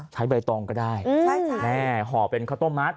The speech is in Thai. ใช้ใบตองก็ได้ห่อเป็นข้าวต้มมัส